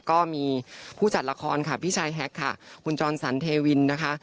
ก็มีผู้จัดละครค่ะพี่ชายแฮ็กค่ะคุณจรสันเทวินนะคะ